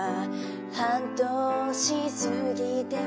「半年過ぎても」